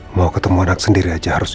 mau ketemu anak sendiri aja harus izin